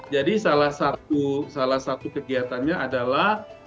jadi salah satu kegiatannya adalah